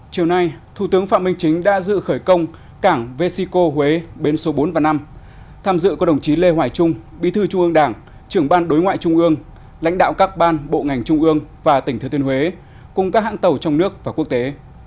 chiều nay thủ tướng phạm minh chính đã dự khởi công cảng vesico huế bên số bốn và năm tham dự có đồng chí lê hoài trung bí thư trung ương đảng trưởng ban đối ngoại trung ương lãnh đạo các ban bộ ngành trung ương và tỉnh thừa thiên huế cùng các hãng tàu trong nước và quốc tế